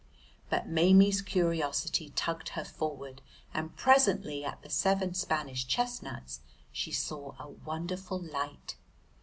But Maimie's curiosity tugged her forward, and presently at the seven Spanish chestnuts, she saw a wonderful light.